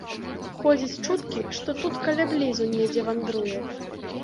Ходзяць чуткі, што тут каля блізу недзе вандруе.